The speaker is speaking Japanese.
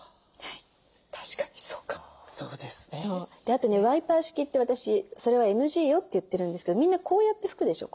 あとねワイパー式って私それはＮＧよって言ってるんですけどみんなこうやって拭くでしょ。